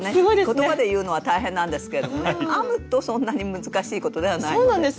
言葉で言うのは大変なんですけどもね編むとそんなに難しいことではないので。